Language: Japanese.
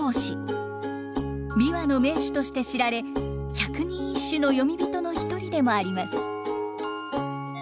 琵琶の名手として知られ百人一首の詠み人の一人でもあります。